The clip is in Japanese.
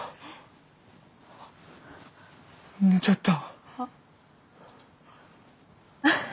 寝ちゃった。